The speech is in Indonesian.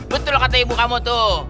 betul kata ibu kamu tuh